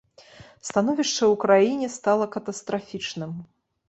Становішча ў краіне стала катастрафічным.